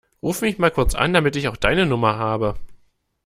Ruf mich mal kurz an, damit ich auch deine Nummer habe.